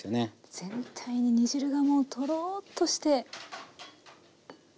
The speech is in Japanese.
全体に煮汁がもうとろっとして。